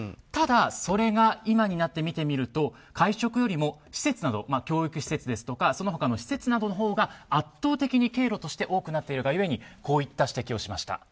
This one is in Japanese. ただ、それが今になって見ると会食よりも教育施設ですとかその他の施設のほうが圧倒的に経路として多くなっているがゆえにこういった指摘をしました。